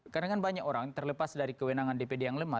karena kan banyak orang terlepas dari kewenangan dpd yang lemah